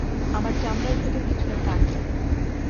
আমার চামড়ার ভেতর কিছু একটা আছে।